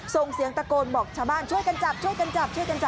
ส่งเสียงตะโกนบอกชาวบ้านช่วยกันจับช่วยกันจับ